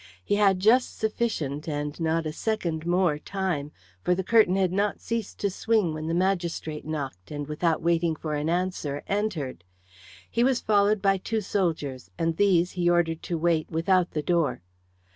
He had just sufficient and not a second more time, for the curtain had not ceased to swing when the magistrate knocked, and without waiting for an answer entered. He was followed by two soldiers, and these he ordered to wait without the door.